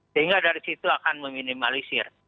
sehingga dari situ akan meminimalisir